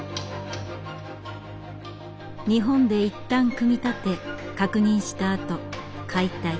日本でいったん組み立て確認したあと解体。